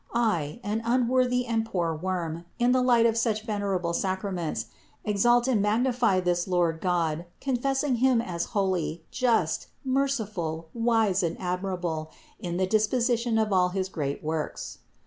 I, an unworthy and poor worm, in the light of such venerable sacraments, exalt and magnify this Lord God, confessing Him as holy, just, merciful, wise and admirable in the disposi tion of all his great works.